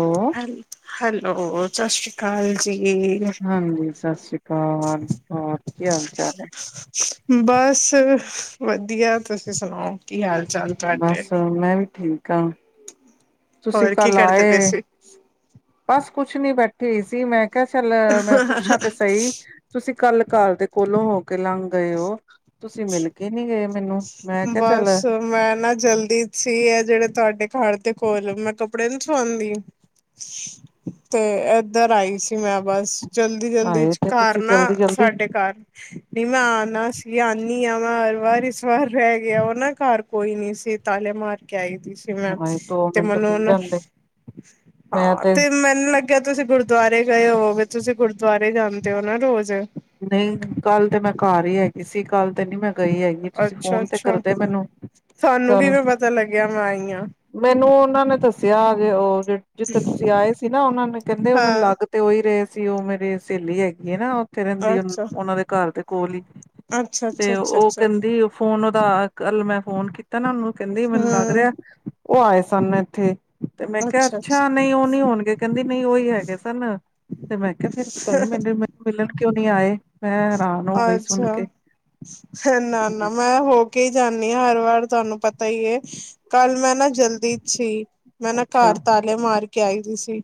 Hello, ਹੈਲ hello ਸਤਿ ਸ਼੍ਰੀ ਅਕਾਲ ਜੀ! ਹਾਂਜੀ, ਸਤਿ ਸ੍ਰੀ ਅਕਾਲ! ਹੋਰ ਕੀ ਹਾਲ-ਚਾਲ ਐ? ਬਾਸ ਵਧੀਆ! ਤੁਸੀਂ ਸੁਣਾਓ ਕੀ ਹਾਲ ਚਾਲ? ਤੁਹਾਡੇ ਬੱਸ, ਮੈਂ ਵੀ ਠੀਕ ਆਂ! ਤੁਸੀਂ ਹੋਰ ਕੀ ਕੱਲ ਕਰਦੇ ਪਏ ਆਏ ਸੀ ਬਸ, ਕੁਛ ਨੀ, ਬੈਠੀ ਹੋਈ ਸੀ। ਮੈਂ ਕਿਹਾ ਚੱਲ, ਮੈਂ ਪੁੱਛਾਂ ਤੇ ਸਹੀ। ਤੁਸੀਂ ਕੱਲ ਘਰ ਦੇ ਕੋਲੋਂ ਹੋ ਕੇ ਲੰਘ ਗਏ ਓ, ਤੁਸੀਂ ਮਿਲ ਕੇ ਨੀ ਗੇ? ਬਸ ਮੈਂ ਨਾ ਜਲਦੀ ਚ ਸੀ ਐ ਜਿਹੜੇ ਤੁਹਾਡੇ ਘਰ ਦੇ ਕੋਲ ਮੈਂ ਕੱਪੜੇ ਨੀ ਸਵਾਂਦੀ। ਤੇ ਏਧਰ ਆਈ ਸੀ ਮੈਂ ਬਸ। ਜਲਦੀ-ਜਲਦੀ ਆਏ 'ਚ ਤੇ ਘਰ ਤੁਸੀਂ ਨਾ, ਜਲਦੀ ਜਲਦੀ ਸਾਡੇ ਘਰ ਨੀ ਮੈਂ ਆਨਾ ਸੀ, ਆਨੀ ਆ ਮੈ ਹਰ ਵਾਰ ਇਸ ਵਾਰ ਰਹਿ ਗਿਆ, ਉਹ ਨਾ ਘਰ ਕੋਈ ਨੀ ਸੀ, ਤਾਲੇ ਮਾਰ ਕੇ ਆਈ ਸੀ ਸੀ। ਮੈਂ ਆਏ ਦੋ ਤੇ ਮਿੰਟ ਮੈਨੂੰ, ਓ ਮਿਲ ਨਾ ਜਾਂਦੇ ਹਾਂ ਤੇ ਮੈ ਨੂੰ ਲੱਗਿਆ ਤੁਸੀਂ ਗੁਰਦੁਆਰੇ ਗਏ ਹੋਗੇ, ਤੁਸੀਂ ਗੁਰਦੁਆਰੇ ਜਾਂਦੇ ਓ ਨਾ ਰੋਜ਼! ਨਹੀਂ, ਕੱਲ੍ਹ ਤੇ ਮੈਂ ਘਰ ਈ ਹੈਗੀ ਸੀ, ਕੱਲ੍ਹ ਤੇ ਨੀ ਮੈਂ ਗਈ ਹੈਗੀ ਤੁਸੀਂ, ਅੱਛਾ ਫੋਨ 'ਤੇ ਅੱਛਾ ਕਰਦੇ ਮੈਨੂੰ ਕੱਲ੍ਹ? ਆਈਆਂ। ਮੈਨੂੰ ਉਹਨਾਂ ਨੇ ਦੱਸਿਆ ਜੇ, ਓ ਜਿੱਥੇ ਤੁਸੀਂ ਆਏ ਸੀ ਨਾ, ਉਹਨਾਂ ਨੇ ਕਹਿੰਦੇ, ਓ ਮੈਨੂੰ ਲੱਗ ਹਾਂ ਤੇ ਉ ਹੀ ਰਹੇ ਸੀ, ਉਹ ਮੇਰੇ ਸਹੇਲੀ ਹੈਗੀ ਹੈ ਨਾ! ਥੇ ਰਹਿੰਦੀ, ਅੱਛਾ ਉਹਨਾਂ ਦੇ ਘਰ ਦੇ ਕੋਲ ਈ, ਅੱਛਾ ਤੇ ਅੱਛਾ ਅੱਛਾ ਉਹ ਅੱਛਾ ਕਹਿੰਦੀ ਫੋਨ, ਓਦਾ ਕੱਲ੍ਹ ਮੈਂ ਫੋਨ ਕੀਤਾ ਨਾ ਓਨੂੰ, ਕਹਿੰਦੀ ਮੈਨੂੰ ਲੱਗ ਹਮ ਰਿਆ ਉਹ ਆਏ ਸਨ ਇੱਥੇ, ਤੇ ਮੈਂ ਕਿਆ, ਅੱਛਾ, ਨਹੀਂ, ਉਹ ਨੀ ਹੋਣਗੇ! ਕਹਿੰਦੀ, ਨਈ, ਓਇ ਹੈਗੇ ਸਨ! ਤੇ ਮੈਂ ਕਿਆ, ਫੇਰ ਪਤਾ ਨੀ ਮੈਨੂੰ ਮਿਲਣ ਕਿਉਂ ਨੀ ਆਏ? ਮੈਂ ਹੈਰਾਨ ਹੋ ਗਈ ਸੁਣ ਅੱਛਾ, ਕੇ ਹ, ਨਾ-ਨਾ ਮੈਂ ਹੋ ਕੇ ਜਾਣੀ ਆਂ ਹਰ ਵਾਰ, ਤੁਹਾਨੂੰ ਪਤਾ ਈ ਏ, ਕੱਲ੍ਹ ਮੈਂ ਨਾ ਜਲਦੀ 'ਚ ਸੀ! ਮੈਂ ਨਾ ਅੱਛਾ ਘਰ ਤਾਲੇ ਮਾਰ ਕੇ ਆਈ ਦੀ ਸੀ,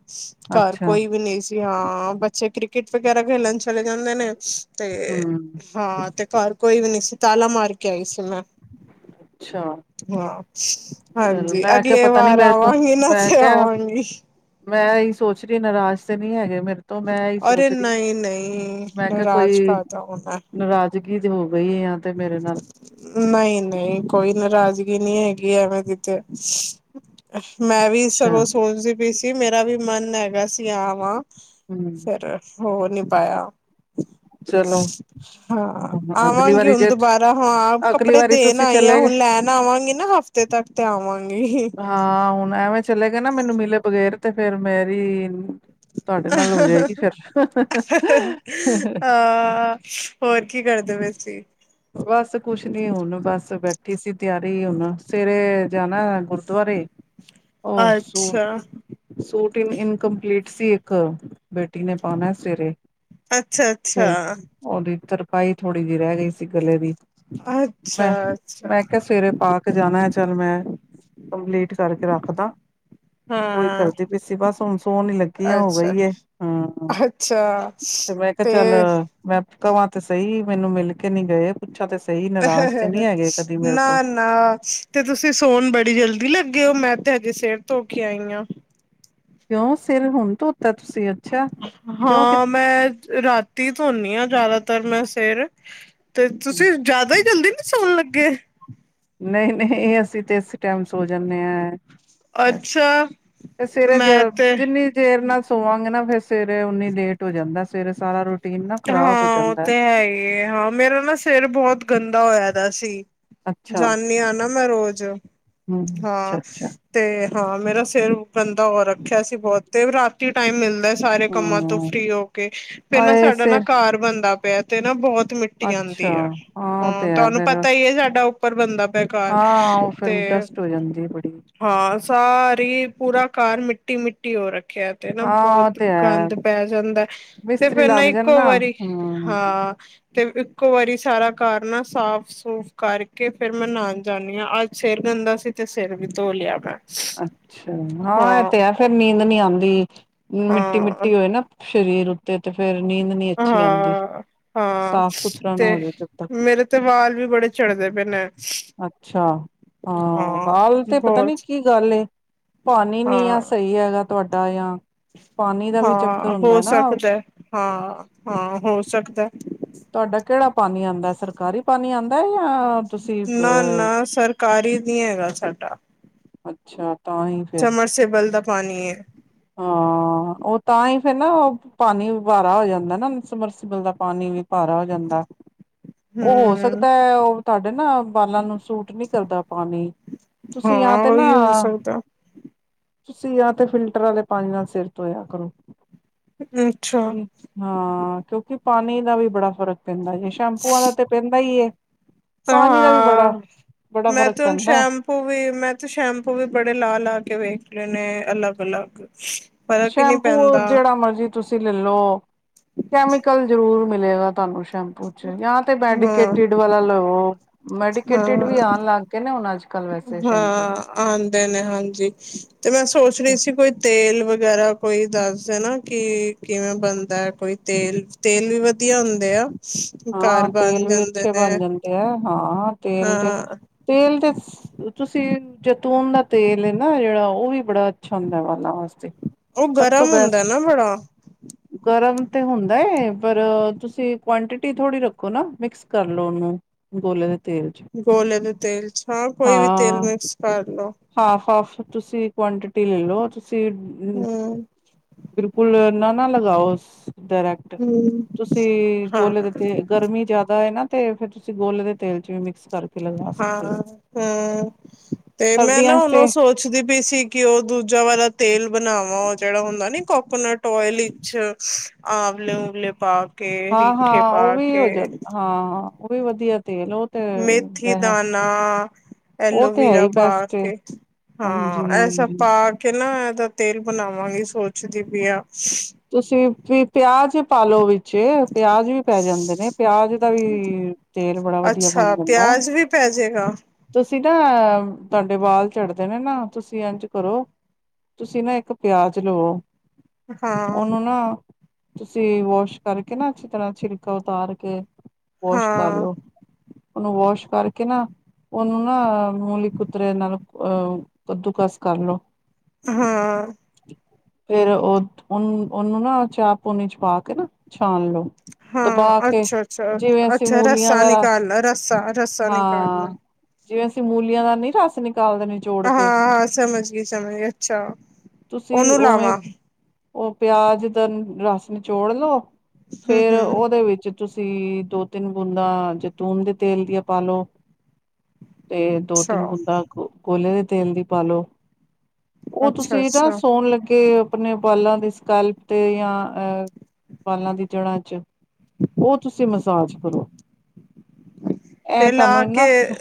ਘਰ ਅੱਛਾ ਕੋਈ ਵੀ ਨੀ ਸੀ! ਹਾਂ, ਬੱਚੇ ਕ੍ਰਿੱਕੇਟ ਵਗੈਰਾ ਖੇਲਣ ਚਲੇ ਜਾਂਦੇ ਨੇ, ਤੇ ਹਮ ਹਾਂ ਤੇ, ਘਰ ਕੋਈ ਵੀ ਨੀ ਸੀ, ਤਾਲਾ ਮਾਰ ਕੇ ਆਈ ਸੀ ਮੈਂ! ਅੱਛਾ। ਹਾਂ ਚਲੋ ਹਾਂਜੀ, ਮੈਂ ਕਿਹਾ ਅਗਲੇ ਪਤਾ ਨੀ ਵਾਰ ਮੇਰੇ ਕੋਲ ਆਵਾਂਗੀ ਨਾ, ਹਾ ਹਾ! ਮੈਂ ਫੇਰ ਕਿਹਾ ਆਵਾਂਗੀ। ਮੈਂ ਇਹੀ ਸੋਚ ਰੀ, ਨਾਰਾਜ਼ ਤੇ ਨੀ ਹੈਗੇ ਮੇਰੇ ਤੋਂ? ਤੋਂ ਮੈਂ ਐਈ ਅਰੇ ਸੋਚਦੀ, ਨਹੀਂ ਨਹੀਂ ਮੈਂ ਕਿਆ, ਨਾਰਾਜ਼ ਕੋਈ ਕਰਦਾ ਉਹ ਮੈਂ ਨਾਰਾਜ਼ ਜਗੀ ਤੇ ਹੋ ਗਈ ਯਾਂ ਤੇ ਮੇਰੇ ਨਾਲ। ਨਈਂ-ਨਈਂ, ਕੋਈ ਨਾਰਾਜ਼ਗੀ ਨੀ ਹੈਗੀ ਐਵੇਂ ਦੀ ਤੇ। ਮੈਂ ਵੀ ਅੱਛਾ ਸਗੋਂ ਸੋਚਦੀ ਪਈ ਸੀ, ਮੇਰਾ ਵੀ ਮਨ ਹੈਗਾ ਸੀ ਆ ਵਾਂ ਹਮ ਫੇਰ ਹੋਰ ਨੀ ਪਾਇਆ। ਚਲੋ ਹਾਂ, ਹੁਣ ਅਗਲੀ ਆਵਾਂਗੇ ਵਾਰੀ ਹੁਣ ਜੇ ਬਾਰਾਂ--ਹਾਂ, ਅਗਲੀ ਕੱਪੜੇ ਵਾਰੀ ਦੇਣ ਤੁਸੀਂ ਆਈ ਆਂ, ਚਲੇ ਗਏ ਹੁਣ ਲੈਣ ਆਵਾਂਗੀ ਨਾ, ਹਫ਼ਤੇ ਤੱਕ ਤੇ ਆਵਾਂਗੀ! ਹਾਂ, ਹੁਣ ਐਵੇਂ ਚਲੇ ਗਏ ਨਾ ਮੈਨੂੰ ਮਿਲੇ ਬਗੈਰ, ਤੇ ਫੇਰ ਮੇਰੀ ਨਾਲ ਅਹ ਹੋ ਹਾਂ, ਜਾਏਗੀ ਫਿਰ ਅਹ ਹਾਂ, ਹਾਂ! ਹੋਰ ਕੀ ਕਰਦੇ ਪਏ ਸੀ? ਬਸ ਕੁਛ ਨੀ ਹੁਣ ਬਸ ਬੈਠੀ ਸੀ ਤੇਆਰੀ ਹੁਣ ਸਵੇਰੇ ਜਾਣੈ ਗੁਰਦੁਆਰੇ ਓ ਸੂਟ ਅੱਛਾ ਸੂਟ ਇਨ ਇਨਕੰਪਲੀਟ ਸੀ ਇੱਕ, ਬੇਟੀ ਨੇ ਪਾਣੈ ਸਵੇਰੇ ਅੱਛਾ-ਅੱਛਾ। ਓਦੀ ਤਰਪਾਈ ਥੋੜੀ ਜੀ ਰੈ ਗਈ ਸੀ ਗਲੇ ਦੀ ਮੈਂ, ਅੱਛਾ ਅੱਛਾ ਮੈਂ ਕੇਆ ਸਵੇਰੇ ਪਾ ਜਾਣੈ ਚੱਲ ਮੈਂ, ਕੰਪਲੀਟ ਕਰਕੇ ਰੱਖ ਦਾਂ। ਓਹੀ ਹਾਂ ਕਰਦੀ ਪੀਸੀ ਬਸ ਹੁਣ ਸੋਣ ਈ ਲੱਗੀਆਂ ਹੋ ਅੱਛਾ ਗਈ ਏ ਹੂਂ। ਅੱਛਾ, ਤੇ ਮੈਂ ਕਵਾਂ ਤੇ ਸਈ ਮੈਨੂੰ ਮਿਲ ਕੇ ਨੀ ਗਏ, ਪੁੱਛਾਂ ਤੇ ਸਈ ਨਰਾਜ਼ ਤੇ ਨੀ ਹੈਗੇ ਕਦੀ ਮੇਰੇ ਤੋਂ ਨਾ ਨਾ ਤੇ ਤੁਸੀਂ ਸੋਣ ਬੜੀ ਜਲਦੀ ਲੱਗੇ ਓ, ਮੈਂ ਤੇ ਹਜੇ ਸਿਰ ਧੋ ਕੇ ਆਈ ਆਂ। ਕਿਉਂ ਸਿਰ ਹੁਣ ਧੋਤੈ ਤੁਸੀਂ? ਅੱਛਾ ਕਿਉਂ ਕਿ ਹਾਂ ਮੈਂ ਰਾਤੀ ਧੋਣੀ ਆਂ ਜ਼ਿਆਦਾਤਰ ਮੈਂ ਸੇਰ ਤੇ ਤੁਸੀਂ ਜਆਦਾ ਈ ਜਲਦੀ ਨੀ ਸੌਣ ਲੱਗੇ। ਨਈ-ਨਈ ਅਸੀਂ ਤੇ ਇਸ ਟੈਮ ਸੋ ਜਾਂਣੇ ਆਂ। ਅੱਛਾ ਤੇ ਸਵੇਰੇ ਜੇ ਮੈਂ ਤੇ ਜਿੰਨੀ ਦੇਰ ਨਾਲ ਸੋਵਾਂਗੇ, ਨਾ ਫੇਰ ਸਵੇਰੇ ਉਨੀ ਲੇਟ ਹੋ ਜਾਂਦਾ ਸਵੇਰੇ ਸਾਰਾ ਰੋਟ ਹਾਂ ਓਹ ਤੇ ਹੈ ਈ ਏ ਹਾਂ, ਮੇਰਾ ਨਾ ਸਿਰ ਬਹੋਤ ਗੰਦਾ ਹੋਏਆ ਦਾ ਸੀ। ਅੱਛਾ ਜਾਂਣੀ ਆਂ ਨਾ ਮੈਂ ਰੋਜ਼, ਹੂੰ ਅੱਛਾ ਹਾਂ। ਅੱਛਾ ਤੇ ਹਾਂ ਮੇਰਾ ਸਿਰ ਗੰਦਾ ਹੋ ਰੱਖਿਆ ਸੀ ਬਹੋਤ, ਤੇ ਰਾਤ ਤੀ ਟਾਇਮ ਮਿਲਦਾ ਸਾਰੇ ਕੰਮਾਂ ਤੋਂ ਹੂੰ ਫਰੀ ਹੋ ਕੇ, ਫੇਰ ਨਾ ਹਾਏ ਸਾਡਾ ਨਾ ਸਿਰ ਘਾ ਘਾਲ ਬਣਦਾ ਪੇਆ ਤੇ ਨਾ, ਬਹੁਤ ਮਿੱਟੀ ਅੱਛਾ ਆਂਦੀ ਆ ਉਹ ਹਾਂ ਤੇ ਹੈ ਤੁਆਨੂੰ ਫੇਰ ਪਤਾ ਈ ਐ ਸਾਡਾ ਉੱਪਰ ਬੰਨਦਾ ਪੇਆ ਘਰ, ਹਾਂ ਉਹ ਫੇਰ ਤੇ ਡਸਟ ਹੋ ਜਾਂਦੀ ਬੜੀ ਹਾਂ ਸਾਰੀ ਪੂਰਾ ਘਰ ਮਿੱਟੀ-ਮਿੱਟੀ ਹੋ ਰੱਖ ਰੱਖਿਆ ਤੇ ਨਾ ਹਾਂ ਉਹ ਬਹੁਤ ਤੇ ਹੈ ਗੰਦ ਪੈ ਜਾਂਦੈ, ਤੇ ਮਿਸਤਰੀ ਫੇਰ ਨਾ ਲੱਗ ਇੱਕ ਜਾਣ ਇੱਕੋ ਵਾਰੀ ਹੂੰ ਹਾਂ, ਤੇ ਇੱਕੋ ਵਾਰੀ ਸਾਰਾ ਘਰ ਨਾ ਸਾਫ਼ ਸੂਫ਼ ਕਰਕੇ ਫੇਰ ਮੈਂ ਨ੍ਹਾਣ ਜਾਂਣੀ ਆਂ ਅੱਜ ਸਿਰ ਗੰਦਾ ਸੀ, ਤੇ ਸਿਰ ਵੀ ਧੋ ਲੇਆ ਮੈਂ। ਅੱਛਾ ਹਾਂ ਇਹ ਤੇ ਹੈ ਫੇਰ ਨੀਂਦ ਨੀ ਆਂਦੀ, ਹਾਂ ਮਿੱਟੀ-ਮਿੱਟੀ ਹੋਏ ਨਾ, ਸਰੀਰ ਉੱਤੇ ਤੇ ਫੇਰ ਨੀਂਦ ਨੀ ਅੱਛੀ ਆਂਦੀ। ਹਾਂ ਹਾਂ, ਸਾਫ਼ ਸੁਥਰਾ ਨਾ ਤੇ ਹੋ ਜਾਵੇ ਜਦ ਤੱਕ ਮੇਰੇ ਤੇ ਵਾਲ ਵੀ ਬੜੇ ਝੜਦੇ ਪਏ ਨੇ। ਅੱਛਾ ਹਾਂ, ਵਾਲ ਤੇ ਪਤਾ ਨੀ ਕੀ ਲ ਗੱਲ ਏ, ਪਾਣੀ ਨੀ ਆ ਹਾਂ ਸਈ ਹੈਗਾ, ਤੁਹਾਡਾ ਜਾਂ ਪਾਣੀ ਦਾ ਵੀ ਚੱਕਰ ਹੁੰਦਾ ਨਾ। ਹਾਂ-ਹਾਂ ਹੋ ਸਕਦੈ। ਤੁਆਡਾ ਕੇਹੜਾ ਪਾਣੀ ਆਂਦੈ ਸਰਕਾਰੀ। ਪਾਣੀ ਆਂਦੈ ਯਾ ਤੁਸੀਂ ਨਾ ਅਹ ਨਾ ਸਰਕਾਰੀ ਨੀ ਹੈਗਾ ਅੱਛਾ ਤਾਂ ਹੀ ਸਮਰਸੀਬਲ ਦਾ ਪਾਣੀ ਏ। ਹਾਂ, ਓ ਤਾਂ ਈ ਫੇਰ ਨਾ ਓਹ ਪਾਣੀ ਬਾਰਾ ਹੋ ਜਾਂਦੈ ਨਾ ਸਮਰਸੀਬਲ ਦਾ ਪਾਣੀ ਵੀ ਭਾਰਾ ਹੋ ਜਾਂਦੈ, ਓ ਹੋ ਹਮ ਸਕਦੈ ਓ ਤੁਹਾਡੇ ਨਾ ਬਾਲਾਂ ਨੂੰ ਸੂਟ ਟ ਨੀ ਕਰਦਾ ਪਾਣੀ, ਤੁਸੀਂ ਯਾ ਹਾਂ ਤੇ ਨਾ ਉਹੀ ਹੋ ਸਕਦਾ ਤੁਸੀਂ ਯਾ ਤੇ ਫਿਲਟਰ ਆਲੇ ਪਾਣੀ ਨਾਲ ਸਿਰ ਧੋਇਆ ਕਰੋ। ਅੱਛਾ। ਹਾਂ ਕਿਉਂਕਿ ਪਾਣੀ ਦਾ ਵੀ ਬੜਾ ਫ਼ਰਕ ਪੈਂਦਾ ਏ, ਸ਼ੈਂਪੂਆਂ ਦਾ ਤੇ ਪੈਂਦਾ ਈ ਏ। ਤੋਂ ਪਾਣੀ ਦਾ ਵੀ ਬੜਾ ਹਾਂ, ਬੜਾ ਮੈਂ ਫ਼ਰਕ ਤੇ ਹੁਣ ਪੈਂਦਾ ਸ਼ੈਮ ੳਵੀ ਮੈਂ ਤੇ ਸ਼ੈਂਪੂ ਵੀ ਬੜੇ ਲਾ-ਲਾ ਕੇ ਵੇਖ ਲੇ ਨੇ ਅਲੱਗ-ਅਲੱਗ ਸ਼ੈਂਪੂ ਜਿਹੜਾ ਮਰਜੀ ਤੁਸੀਂ ਲੈਲੋ ਕੈਮੀਕਲ ਜਰੂਰ ਮਿਲੇਗਾ, ਤੁਹਾਨੂੰ। ਸ਼ੈਂਪੂ ਚ ਜਾਂ ਤੇ ਹਾਂ ਮੈਡੀਕੇਟਡ ਵਾਲਾ ਲੋ। ਮੈਡੀਕੇਟਿਡ ਵੀ ਹਾਂ ਆਣ ਲੱਗ ਗਏ ਨੇ, ਹੁਣ ਅੱਜ-ਕੱਲ੍ਹ ਵੈਸੇ ਸ਼ੈਂਪੂ। ਆਦੇ ਨੇ ਹਾਂਜੀ। ਤੇ ਮੈਂ ਸੋਚ ਰਹੀ ਸੀ ਕੋਈ ਤੇਲ ਵਗੈਰਾ ਕੋਈ ਦੱਸਦੇ ਨਾ ਕਿ, ਕਿਵੇਂ ਬਣਦਾ ਕੋਈ ਤੇਲ-ਤੇਲ ਵੀ ਵਧੀਆ ਹੁੰਦੇ ਆ, ਘਰ ਬਣ ਜਾਂਦੇ ਨੇ। ਏ ਹਾਂ ਤੇਲ ਤੇ, ਹਾਂ ਤੇਲ ਤੇ ਤੁਸੀਂ ਜੈਤੂਨ ਦਾ ਤੇਲ ਨਾ ਜੇਹੜਾ ਉ ਵੀ ਬੜਾ ਅੱਛਾ ਹੁੰਦਾ, ਬਾਲਾਂ ਵਾਸਤੇ। ਉਹ ਸਭ ਤੋਂ ਗਰਮ ਹੁੰਦਾ ਬੈਸਟ। ਨਾ ਬੜਾ ਗਰਮ ਤੇ ਹੁੰਦਾ ਏ, ਪਰ ਤੁਸੀਂ ਕੁਆਂਟਿਟ ਟੀ ਥੋੜ੍ਹੀ ਰੱਖੋ ਨਾ, ਮਿਕਸ ਕਰਲੋ ਉਹਨੂੰ ਗੋਲੇ ਦੇ ਤੇਲ ਚ ਗੋਲੇ ਦੇ ਤੇਲ ਚ, ਹਾ ਕੋਈ ਵੀ ਤੇਲ ਮਿਕਸ ਕਰ ਲੋ। ਹਾਫ-ਹਾਫ ਤੁਸੀਂ ਕੁਆਂਟਿਟੀ ਲੈ ਲਓ ਤੁ ਤੁਸੀਂ ਹਮ ਬਿਲਕੁਲ ਨਾ-ਨਾ ਲਗਾਓ ਡਰੈਕਟ ਟ ਹਮ ਤੁਸੀਂ ਗੋਲੇ ਹਾਂ ਦੇ ਤੇ ਗਰਮੀ ਜਿਆਦਾ ਐਨਾ ਤੇ ਫੇਰ ਤੁਸੀਂ ਗੋਲੇ ਦੇ ਤੇਲ ਚ ਵੀ ਮਿਕਸ- ਕਰਕੇ ਲਗਾ ਸਕਦੇ ਹਾਂ, ਹੋ ਹੂੰ ਤੇ ਮੈਂ ਨਾ ਸਰਦੀਆਂ ਚ ਹੁਣ ਉ ਤੇ ਸੋਚ ਸੋਚਦੀ ਪਈ ਸੀ ਕਿ ਉ ਦੂਜਾ ਵਾਲਾ ਤੇਲ ਬਣਾਵਾਂ ਉ ਜੇ ਹੜਾ ਹੁੰਦਾ ਨੀ ਕੋਕੋਨਟ ਓਇਲ ਵਿੱਚ ਆਵਲੇ ਉਵਲੇ ਪਾ ਕੇ ਰੀਠੇ ਹਾਂ-ਹਾਂ, ਪਾ ਉ ਵੀ ਕੇ ਹੋ ਜਾਂਦਾ ਹਾਂ-ਹਾਂ ਉ ਵੀ ਵਧੀਆ ਤੇਲ ਉ ਮੇਥੀ ਦਾਣਾ, ਉਹ ਤੇ ਹੈ ਐਲੋਵੀਰਾ ਹੀ ਪਾ ਬੈਸਟ ਏ ਕੇ। ਹਾਂ, ਹਾਂਜੀ ਐ ਸਬ ਹਾਂਜੀ ਪਾਕੇ ਨਾ ਏਦਾ ਤੇਲ ਬਣਾਵਾਂਗੀ ਸੋਚਦੀ ਪਈ ਆ। ਤੁਸੀਂ ਵੀ ਪਿਆਜ ਪਾਲੋ ਵਿੱਚ ਪਿਆਜ ਵੀ ਪੈ ਜਾਂਦੇ ਨੇ, ਪਿਆਜ ਦਾ ਵੀ ਤੇਲ ਬੜਾ ਵਧੀਆ ਬਣ ਅੱਛਾ ਜਾਂਦਾ ਐ। ਪਿਆਜ ਵੀ ਪੈ ਜਾਏਗਾ ਤੁਸੀਂ ਨਾ ਤੁਹਾਡੇ ਵਾਲ ਝੜਦੇ ਨੇ ਨਾ ਤੁਸੀਂ ਇੰਝ ਕਰੋ ਤੁਸੀਂ ਨਾ ਇੱਕ ਪਿਆਜ ਲਵੋ। ਹਾਂ ਉਨੂੰ ਨਾ ਤੁਸੀਂ ਵਾਸ਼ ਕਰਕੇ ਨਾ, ਅੱਛੀ ਤਰ੍ਹਾਂ ਛਿਲਕਾ ਉਤਾਰ ਕੇ ਵਾਸ਼ ਹਾਂ ਕਰਲੋ ਉਨੂੰ ਵਾਸ਼ ਕਰਕੇ ਨਾ ਉਨੂੰ ਨਾ ਮੂਲੀ ਕੁੂਤਰੇ ਨਾਲ ਅ ਕੱਦੂ ਕਸ ਕਰਲੋ। ਹਾਂ। ਫੇਰ ਉਹ ਉਹਨੂੰ ਨਾ ਚਾਹ ਪੂਨੀ ਚ ਪਾ ਕੇ ਨਾ ਛਾਣ ਲੋ। ਦਬਾ ਹਾਂ ਕੇ ਅੱਛਾ ਅੱਛਾ ਜਿਵੇਂ ਅਸੀਂ ਅੱਛਾ ਮੂਲੀਆਂ ਰੱਸਾ ਦਾ ਰਸ, ਨਿਕਾਲਣਾ ਰੱਸਾ ਰੱਸਾ ਨਿਕਾਲਣਾ ਹਾਂ ਜਿਵੇਂ ਅਸੀਂ ਮੂਲੀਆਂ ਦਾ ਨੀ ਰਸ ਨਿਕਾਲਦੇ। ਨਿਚੋੜ ਕੇ ਹਾਂ ਸਮਝ ਗਈ ਸਮਝ ਗਈ ਅੱਛਾ ਤੁਸੀਂ ਉਹਨੂੰ ਉਵੇਂ ਲਾਵਾਂ ਉ ਪਿਆਜ ਦਾ ਰਸ ਨਿਚੋੜ ਲਓ ਹੂੰ ਫੇਰ ਹੂੰ ਉਹਦੇ ਵਿੱਚ ਤੁਸੀਂ ਦੋ-ਤਿੰਨ ਬੂੰਦਾਂ ਜੈਤੂਨ ਦੇ ਤੇਲ ਦੀਆਂ ਪਾਲੋ, ਤੇ ਅੱਛਾ ਦੋ-ਤਿੰਨ ਬੂੰਦਾ ਕੋਕ ਗੋਲੇ ਦੇ ਤੇਲ ਦੀ ਪਾ ਲੋ। ਉ ਅੱਛਾ ਤੁਸੀਂ ਨਾ ਅੱਛਾ ਸੋਣ ਲੱਗੇ ਆਪਣੇ ਵਾਲਾਂ ਦੇ ਸਕਲਪ ਤੇ ਜਾਂ ਅਹ ਵਾਲਾਂ ਦੀ ਜੜ੍ਹਾਂ ਚ ਉ ਤੁਸੀਂ ਮਸਾਜ ਕਰੋ। ਇਹ ਤੇਲ ਤੁਹਾਨੂੰ ਲਾ ਇੰਨਾ ਕੇ ਫ-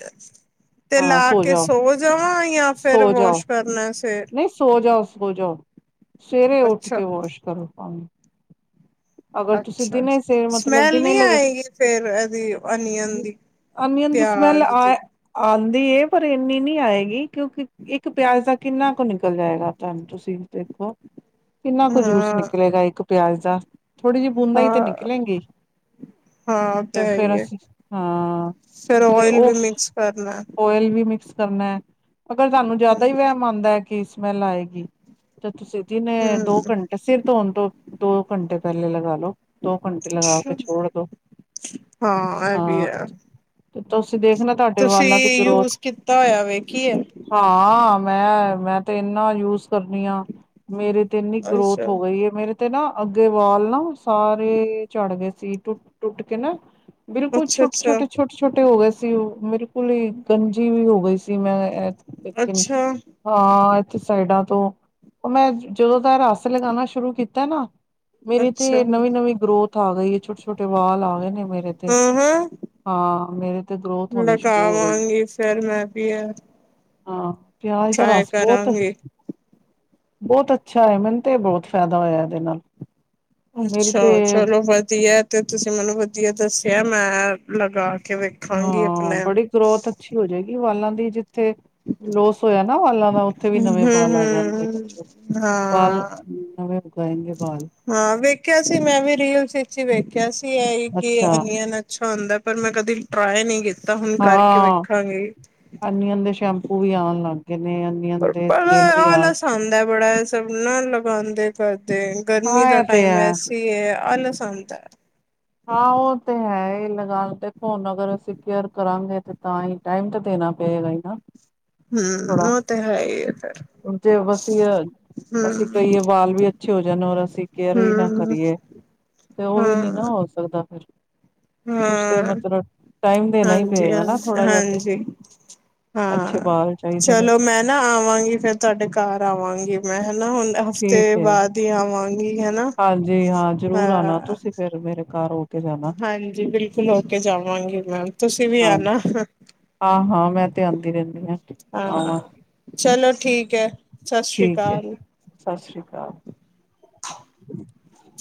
ਤੇ ਹਾਂ ਲਾ ਕੇ ਜਾਓ ਸੋ ਜਾਵਾਂ ਜਾਂ ਸੋ ਫਿਰ ਜਾਓ ਵਾਸ਼ ਕਰਨਾ ਸਿਰ? ਨਹੀਂ ਸੋ ਜਾਓ- ਸੋ ਜਾਓ, ਸਵੇਰੇ ਉੱਠ ਅੱਛਾ ਕੇ ਵਾਸ਼ ਕਰੋ ਪਾਣੀ ਅਗਰ ਤੁਸੀਂ ਦਿਨੇ ਅੱਛਾ-ਅੱਛਾ, ਸਿਰ ਮਤਲਬ ਸਮੈਲ ਦਿਨੇ ਨੀ ਲਗ ਆਏਗੀ ਫੇਰ ਇਹਦੀ ਅਨੀਅਨ ਦੀ। ਅਮੀਅਨ ਦੀ ਸਮੈਲ ਪਿਆਜ ਆ, ਦੀ ਆਂਦੀ ਏ ਪਰ ਐਨੀ ਨੀ ਆਏਗੀ ਕਿਉਂਕਿ ਇੱਕ ਪਿਆਜ ਦਾ- ਕਿੰਨਾ ਕ ਨਿਕਲ ਜਾਏਗਾ ਤੁਹਾਨੂੰ ਤੁਸੀਂ ਦੇਖੋ, ਕਿੰਨਾ ਕ ਜੂਸ ਹਾਂ ਨਿਕਲੇਗਾ ਇੱਕ- ਪਿਆਜ਼ ਦਾ, ਥੋੜੀ ਜਿਹੀ ਬੂੰਦਾਂ ਹੀ ਹਾਂ ਤੇ ਨਿਕਲੇਗੀ। ਹਾਂ ਉਹ ਤਾਂ ਤੇ ਹੈ ਫੇਰ ਹੀ ਹੈ ਅਸੀਂ, ਹਾਂ- ਫਿਰ ਤੇ ਓਇਲ ਉਹ, ਵੀ ਮਿਕਸ ਕਰਨਾ ਆਇਲ ਵੀ ਮਿਕਸ ਕਰਨਾ ਹੈ। ਅਗਰ ਤੁਹਾਨੂੰ ਜ਼ਿਆਦਾ ਹੀ ਵਹਿਮ ਆਂਦਾ ਕਿ ਸਮੈਲ ਆਏਗੀ, ਤੇ ਤੁਸੀਂ ਦਿਨੇ ਦੋ ਹੂੰ ਘੰਟ- ਇਹ ਸਿਰ ਧੋਣ ਤੋਂ, ਦੋ ਘੰਟੇ ਪਹਿਲੇ ਲਗਾ ਲਓ, ਦੋ ਘੰਟੇ ਲਗਾ ਕੇ ਅੱਛਾ ਛੋੜ ਦੋ। ਹਾਂ ਐਹ ਵੀ ਹਾਂ ਹੈ। ਤੇ ਤੁਸੀਂ ਦੇਖਣਾ ਤੁਹਾਡੇ ਵਾਲਾਂ ਦੀ ਤੁਸੀਂ ਗਰੋਥ ਯੂਸ ਕੀਤਾ ਹੋਇਆ ਵੇਖੀਏ? ਹਾਂ, ਮੈਂ, ਮੈਂ ਤੇ ਐਨਾ ਯੂਜ ਕਰਦੀ ਆਂ। ਮੇਰੇ ਤੇ ਇੰਨੀ ਗਰੋਥ ਅੱਛਾ ਹੋ ਗਈ ਏ ਮੇਰ- ਤੇ ਨਾ, ਅੱਗੇ ਵਾਲ ਨਾ ਸਾਰੇ ਝੜ ਗਏ ਸੀ ਟੁੱਟ, ਟੁੱਟ ਕੇ ਨਾ- ਬਿਲਕੁਲ਼ ਛੋਟੇ ਅੱਛਾ-ਅੱਛਾ, -ਛੋਟੇ, ਛੋਟ- ਛੋਟੇ- ਛੋਟੇ ਹੋ ਗਏ ਸੀ ਉਹ, ਬਿਲਕੁਲ ਹੀ ਗੰਜੀ ਵੀ ਹੋ ਗਈ ਸੀ ਮੈਂ ਐ ਲੇਕਿਨ ਅੱਛਾ-ਅੱਛਾ ਹਾਂ ਐਥੇ ਸਾਈਡਾਂ ਤੋਂ- ਉਹ ਮੈਂ, ਜਦੋਂ ਦਾ ਰਸ ਲਗਾਉਣਾ ਸ਼ੁਰੂ ਕੀਤਾ ਨਾ- ਮੇਰੀ ਤੇ ਨਵੀਂ- ਨਵੀਂ ਗਰੋਥ ਆ ਗਈ ਏ, ਛੋਟੇ- ਛੋਟੇ ਵਾਲ ਆ ਗਏ ਨੇ ਮੇਰੇ। ਤੇ ਹਮ-ਹਮ। ਹਾਂ ਮੇਰੇ ਤੇ ਗਰੋਥ ਹੋਣੀ ਸ਼ੁਰੂ ਹੋ ਗਈ ਲਗਾਵਾਂਗੀ ਫਿਰ ਮੈਂ ਵੀ ਐ। ਹਾਂ, ਪਿਆਜ ਦਾ ਟਰਾਈ ਰਸ ਬੋਤ ਕਰਾਂਗੀ। ਬਹੁਤ ਅੱਛਾ ਹੈ, ਮੈਨੂੰ ਤੇ ਬਹੁਤ ਫੈਦਾ ਹੋਇਆ ਇਹਦੇ ਨਾਲ। ਮੇਰੀ ਅੱਛਾ, ਤੇ ਚਲੋ ਵਧੀਆ ਤੇ ਤੁਸੀ ਮੈਨੂੰ ਵਧੀਆ ਦਸਿਆ ਮੈ ਲਗਾ ਕੇ ਵੇਖ ਹਾਂ, ਬੜੀ ਗਰੋਥ ਅੱਛੀ ਹੋ ਜਾਏਗੀ, ਵਾਲਾਂ ਦੀ ਜਿਥੇ ਲੋਸ ਹੋਇਆ। ਨਾ ਬਾਲਾਂ ਦਾ, ਉਥੇ ਵੀ ਨਵੇ ਹੂੰ-ਹੂੰ ਬਾਲ ਆ ਜਾਦੇ ਨੇ ਛੋ, ਬਾਲ ਹਾਂ। ਨਵੇ ਉਗ ਆਏੰਗੇ ਬਾਲ। ਹਾਂ ਵੇਖਿਆ ਸੀ ਮੈ ਵੀ ਰੀਲਸ ਵਿੱਚ ਹੀ ਵੇਖਿਆ ਸੀ ਇਹੀ ਕਿ ਅੱਛਾ ਅਨਿਯਨ। ਅੱਛਾ ਹੁੰਦਾ, ਪਰ ਮੈ ਕਦੀ ਟਰਾਈ ਨੀ ਕੀਤਾ ਹੁਣ ਕਰਕੇ ਵੇਖਾਂਗੀ। ਅਨਿਯਨ ਦੇ ਸ਼ੈਮਪ ਉਹ ਵੀ ਆਣ ਲੱਗ ਗਏ ਨੇ ਅਨ ਪਰ ਬੜਾ ਆਲਸ ਆਂਦਾ ਬੜਾ ਐਹ ਸਭ ਨਾਲ ਲਗਾਉਦੇ ਕਰਦੇ। ਗਰਮੀ ਹਾਂ ਦਾ ਇਹ ਤੇ ਟੈਮ ਹੈ ਵੈਸੇ ਹੈ, ਆਲਸ ਆਂਦਾ। ਹਾਂ ਉਹ ਤੇ ਹੈ ਹੀ ਲਗਾ ਦੇਖੋ ਹੁਣ ਅਗਰ ਅਸੀ ਕੇਅਰ ਕਰਾਂਗੇ ਤੇ ਤਾਂ ਹੀ। ਟਾਈਮ ਤੇ ਦੇਣਾ ਪਏਗਾ ਹੀ ਨਾ। ਥੋੜਾ, ਹੂੰ ਉਹ ਤੇ ਹੈ ਈ ਐ ਫਿਰ ਹੁਣ ਤੇ ਬਸ ਹੀ ਅਰ। ਅਸੀ ਕਹੀਏ ਵਾਲ ਵੀ ਅੱਛੇ ਹੋ ਜਾਨ, ਔਰ ਅਸੀ ਕੇਅਰ ਵੀ ਨਾ ਹੂੰ-ਹੂੰ ਕਰੀਏ। ਤੇ ਉਹ ਵੀ ਨੀ ਨਾ ਹਾਂ। ਹੋ ਸਕਦਾ ਫੇਰ ਕੁਛ ਤੇ ਹਾਂ ਮਤਲਬ ਟਾਈਮ ਦੇਣਾ ਹੀ ਹਾਂਜੀ-ਹਾਂਜੀ, ਹਾਂਜੀ ਪਏਗਾ ਨਾ ਥੋੜਾ ਜਿਹਾ ਤੇ ਹਾਂਜੀ ਅੱਛੇ ਹਾਂ। ਬਾਲ ਚਾਹੀਦੇ ਨੇ ਚਲੋ ਤੇ। ਮੈਂ ਨਾ ਆਵਾਂਗੀ ਫਿਰ ਤੁਹਾਡੇ ਘਰ ਆਵਾਂਗੀ ਮੈ ਨਾ ਹੁਣ ਠੀਕ ਹਫ਼ਤੇ ਹੈ ਬਾਅਦ ਹੀ ਆਵਾਂਗੀ ਹੈਨਾ, ਹਾਂਜੀ ਹਾਂ ਜ਼ਰੂਰ ਆਣਾ ਹਾਂ। ਤੁਸੀਂ ਫਿਰ ਮੇਰੇ ਘਰ ਹੋ ਕੇ ਜਾਣਾ ਹਾਂਜੀ ਬਿਲਕੁਲ ਹੋ ਕੇ ਜਾਵਾਂਗੀ ਮੈਮ, ਤੁਸੀ ਵੀ ਹਾਂ ਆਣਾ। ਹਾਂ- ਹਾਂ ਮੈ ਤੇ ਆਉੰਦੀ ਰਹਿੰਦੀ ਆਂ। ਹਾਂ, ਚਲੋ ਠੀਕ ਹੈ, ਸਸ੍ਰੀ ਅਕਾਲ। ਸਸ੍ਰੀ ਅਕਾਲ। [inaudible]